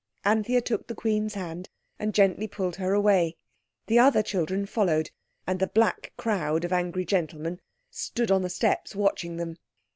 Anthea took the Queen's hand and gently pulled her away. The other children followed, and the black crowd of angry gentlemen stood on the steps watching them.